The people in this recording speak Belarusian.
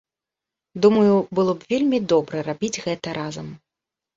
Думаю, было б вельмі добра рабіць гэта разам.